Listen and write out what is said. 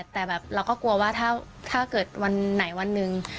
แต่แบบเราก็กลัวว่าถ้าเกิดวันไหนวันหนึ่ง